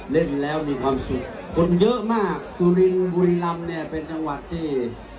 เล่นแล้วมีความสุขคนเยอะมากสุรินบุรีรำเนี่ยเป็นจังหวัดที่